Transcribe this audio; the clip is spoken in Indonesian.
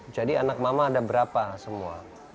jadi anak mama ada berapa semua